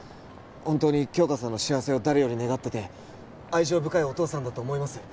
ホントに杏花さんの幸せを誰より願ってて愛情深いお父さんだと思います